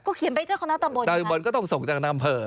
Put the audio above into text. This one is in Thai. ก็เขียนไปเจ้าคณะตำบลต้องส่งจากคณะเภอ